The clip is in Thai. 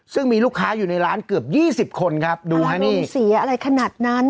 ซึ่งมีลูกค้าอยู่ในร้านเกือบยี่สิบคนครับดูฮะนุ่มสีอะไรขนาดนั้น